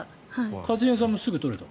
一茂さんもすぐ取れた？